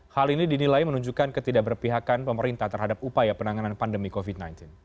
hal ini dinilai menunjukkan ketidakberpihakan pemerintah terhadap upaya penanganan pandemi covid sembilan belas